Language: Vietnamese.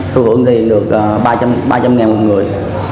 tôi hưởng thì được ba trăm linh ngàn một người